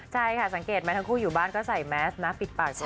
ใช่ค่ะสังเกตไหมทั้งคู่อยู่บ้านก็ใส่แมสนะปิดปากใช่ไหม